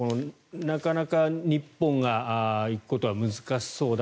なかなか日本が行くことは難しそうだ。